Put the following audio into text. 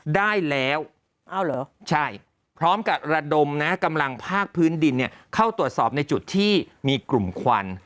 ได้แล้วใช่พร้อมกับระดมนะกำลังภาคพื้นดินเข้าตรวจสอบในจุดที่มีกลุ่มควัน